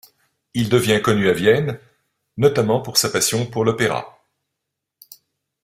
Il devient connu à Vienne, notamment pour sa passion pour l'opéra.